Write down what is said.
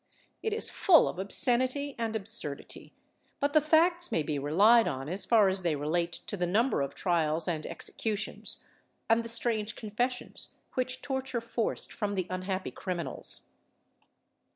It is full of obscenity and absurdity, but the facts may be relied on as far as they relate to the number of trials and executions, and the strange confessions which torture forced from the unhappy criminals.